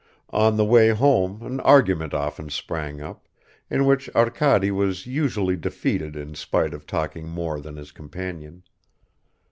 On the way home an argument often sprang up, in which Arkady was usually defeated in spite of talking more than his companion.